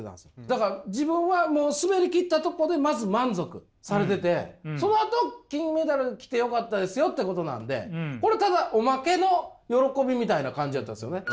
だから自分はもう滑り切ったとこでまず満足されててそのあと金メダル来てよかったですよってことなんでこれただオマケの喜びみたいな感じやったんですよね。